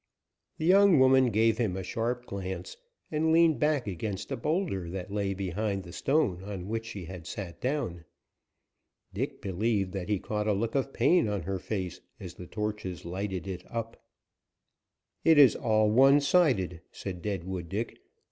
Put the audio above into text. The young woman gave him a sharp glance, and leaned back against a boulder that lay behind the stone on which she had sat down. Dick believed that he caught a look of pain on her face as the torches lighted it up. "It is all one sided," said Deadwood Dick.